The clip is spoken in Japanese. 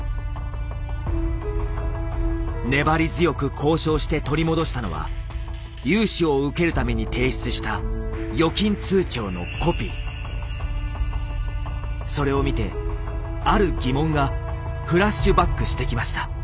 粘り強く交渉して取り戻したのは融資を受けるために提出したそれを見てある疑問がフラッシュバックしてきました。